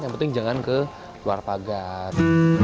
yang penting jangan ke luar pagar